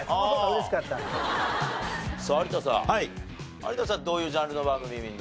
有田さんどういうジャンルの番組見るの？